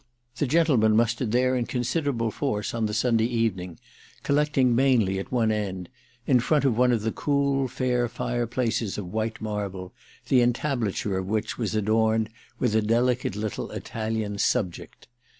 The gentlemen mustered there in considerable force on the Sunday evening, collecting mainly at one end, in front of one of the cool fair fireplaces of white marble, the entablature of which was adorned with a delicate little Italian "subject."